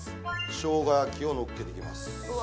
生姜焼きをのっけていきます